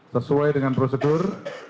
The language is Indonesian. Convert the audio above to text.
sesuai dengan prosedur